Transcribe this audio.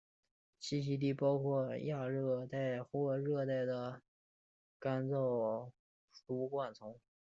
栖息地包括亚热带或热带的干燥疏灌丛。